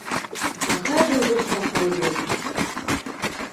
Няхай бы ўжо спакой быў.